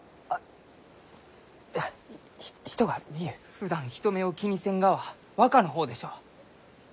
ふだん人目を気にせんがは若の方でしょう？